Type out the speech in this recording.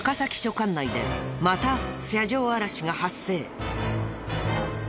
管内でまた車上荒らしが発生。